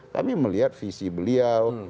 kami melihat visi beliau